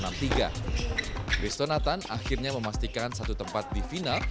christo nathan akhirnya memastikan satu tempat di final